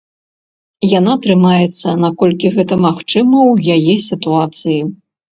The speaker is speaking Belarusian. Яна трымаецца, наколькі гэта магчыма ў яе сітуацыі.